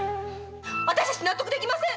私たち納得できません！